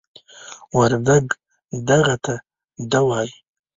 وردگ "دغه" ته "دَ" وايي.